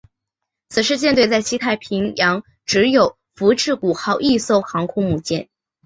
此时舰队在西太平洋只有福治谷号一艘航空母舰。